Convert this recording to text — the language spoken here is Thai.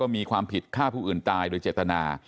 มีความผิดฆ่าผู้อื่นตายโดยเจตนา